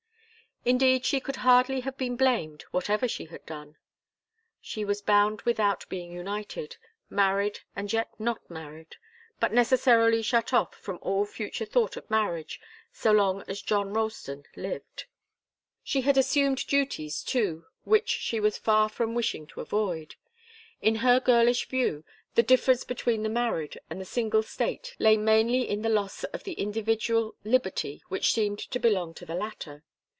Indeed, she could hardly have been blamed, whatever she had done. She was bound without being united, married and yet not married, but necessarily shut off from all future thought of marriage, so long as John Ralston lived. She had assumed duties, too, which she was far from wishing to avoid. In her girlish view, the difference between the married and the single state lay mainly in the loss of the individual liberty which seemed to belong to the latter.